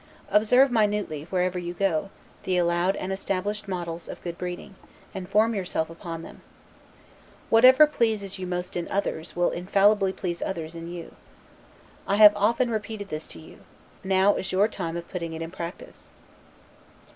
Observe minutely, wherever you go, the allowed and established models of good breeding, and form yourself upon them. Whatever pleases you most in others, will infallibly please others in you. I have often repeated this to you; now is your time of putting it in practice.